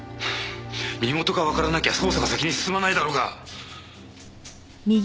身元がわからなきゃ捜査が先に進まないだろうが！